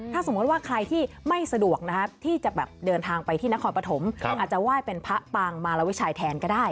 ถ้าสมมุติว่าใครที่ไม่สะดวกนะครับที่จะแบบเดินทางไปที่นครปฐมอาจจะไหว้เป็นพระปางมารวิชัยแทนก็ได้